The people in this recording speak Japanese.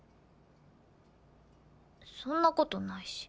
そんな事ないし。